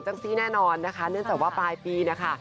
ซี่แน่นอนนะคะเนื่องจากว่าปลายปีนะคะ